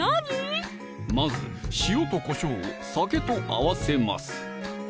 まず塩とこしょうを酒と合わせます